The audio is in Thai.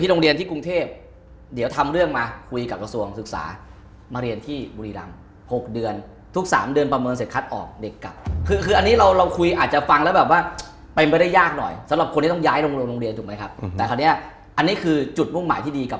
ดังโรงเรียนถูกมั้ยครับอันนี้คือจุดมุ่งหมายที่ดีกว่า